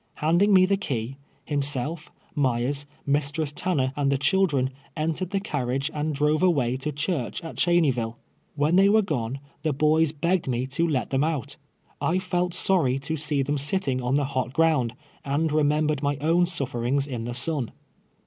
Handing me the key, himself, Myers, Mistress Tanner and the children entered the carriage and drove away to church at Cheney ville. \Vlien they were gone, the boys begged me to let them out. I felt sorry to see them sitting on the hot ground, and remembered my own sufferings in the sun.